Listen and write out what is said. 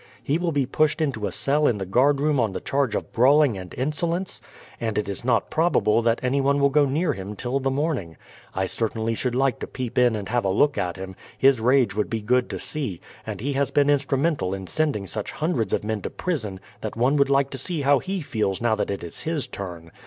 He will be pushed into a cell in the guard room on the charge of brawling and insolence, and it is not probable that anyone will go near him till the morning. I certainly should like to peep in and have a look at him. His rage would be good to see; and he has been instrumental in sending such hundreds of men to prison that one would like to see how he feels now that it is his turn.